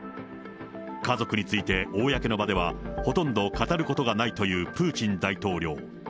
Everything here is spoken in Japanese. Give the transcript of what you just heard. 家族について公の場ではほとんど語ることがないというプーチン大統領。